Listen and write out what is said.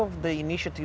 dan banyak inisiatif